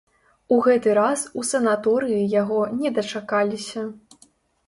У гэты раз у санаторыі яго не дачакаліся.